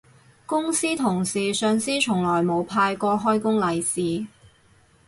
公司同事上司從來冇派過開工利是